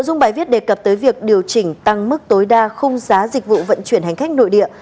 nội dung bài viết đề cập tới việc điều chỉnh tăng mức tối đa khung giá dịch vụ vận chuyển hành khách nội địa